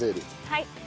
はい。